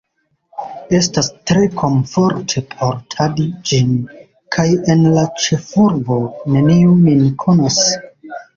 Estas tre komforte portadi ĝin, kaj en la ĉefurbo neniu min konas.